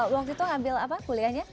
waktu itu ngambil kuliahnya